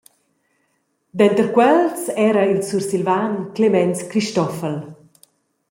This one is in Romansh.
Denter quels era il Sursilvan Clemens Christoffel.